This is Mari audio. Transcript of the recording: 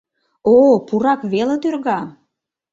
О-о, пурак веле тӱрга...